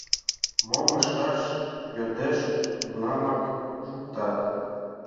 Мом ышташ йодеш — тунамак шуктат.